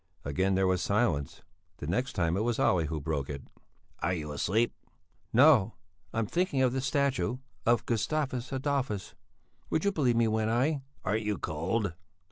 Again there was silence. The next time it was Olle who broke it. "Are you asleep?" "No; I'm thinking of the statue of Gustavus Adolphus; would you believe me when I...." "Aren't you cold?"